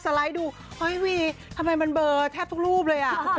สไลด์ดูโอ๊ยวิทำไมมันเบอร์แทบทุกรูปเลย